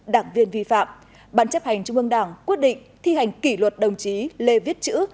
đảng viên vi phạm ban chấp hành trung ương đảng quyết định thi hành kỷ luật đồng chí lê viết chữ